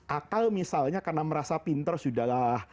akal misalnya karena merasa pinter sudahlah